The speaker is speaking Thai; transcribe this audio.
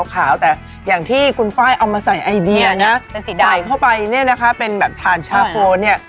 แต่อย่างที่คุณไฟล์เอามาใส่ไอเดียนะใส่เข้าไปเนี่ยนะคะเป็นแบบทานชาโคเนี่ย